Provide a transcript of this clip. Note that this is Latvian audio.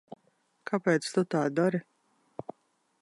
Kāpēc tu tā dari?